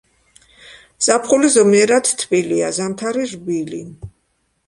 ზაფხული ზომიერად თბილია, ზამთარი რბილი.